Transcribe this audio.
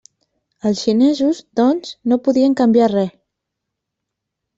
Els xinesos, doncs, no podien canviar res.